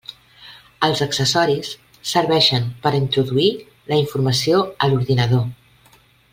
Els accessoris serveixen per introduir la informació a l'ordinador.